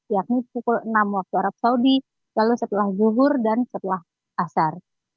yakni pukul enam waktu arab saudi lalu setelah zuhur dan setelah asar